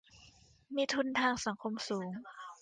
มีทุนทางสังคมสูง